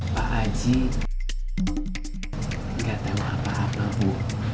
pak aji nggak tahu apa apa bu